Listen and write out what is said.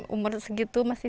umur segitu masih